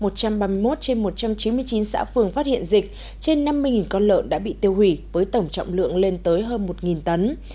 một trăm ba mươi một trên một trăm chín mươi chín xã phường phát hiện dịch trên năm mươi con lợn đã bị tiêu hủy với tổng trọng lượng lên tới hơn một tấn